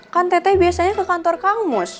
kan tetangga biasanya ke kantor kang mus